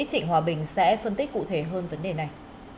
trịnh hòa bình sẽ phân tích cụ thể hơn vấn đề này